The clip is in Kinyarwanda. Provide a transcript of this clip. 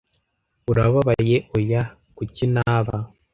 "Urababaye?" "Oya. Kuki naba?"